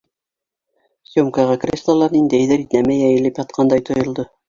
Сёмкаға креслола ниндәйҙер нәмә йәйелеп ятҡандай тойолдо.